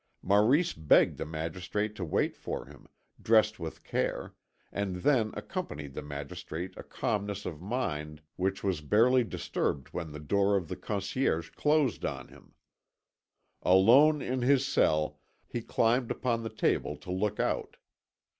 Maurice begged the magistrate to wait for him, dressed with care, and then accompanied the magistrate a calmness of mind which was barely disturbed when the door of the Conciergerie closed on him. Alone in his cell, he climbed upon the table to look out.